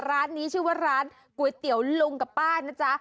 ร้านนี้ชื่อว่าร้านก๋วยเตี๋ยวลุงกับป้านะจ๊ะ